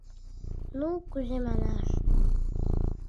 Ну, кузе манаш?..